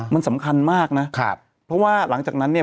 มันสำคัญมากนะคือว่าหลังจากนั้นเนี่ย